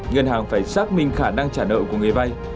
ngân hàng phải xác minh khả năng trả nợ của người vay